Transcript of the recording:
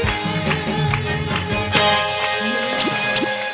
ถ้าตอบถูกเป็นคนแรกขึ้นมาเลย